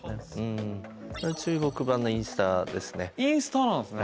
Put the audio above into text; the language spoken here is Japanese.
中国版のインスタですね。